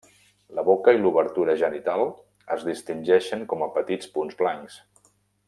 La boca i l'obertura genital es distingeixen com a petits punts blancs.